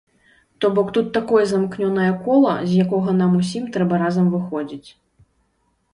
То бок тут такое замкнёнае кола, з якога нам усім трэба разам выходзіць.